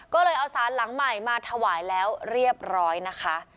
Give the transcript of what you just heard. ก็เลยเอาสารหลังใหม่มาถวายแล้วเรียบร้อยนะคะ